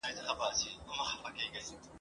شمعي ته به نه وایې چي مه سوځه ..